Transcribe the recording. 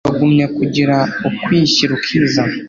bagumya kugira ukwishyira ukizana